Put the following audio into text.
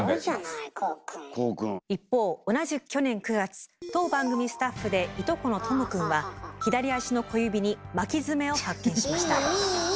一方同じく去年９月当番組スタッフでいとこのとも君は左足の小指に巻き爪を発見しました。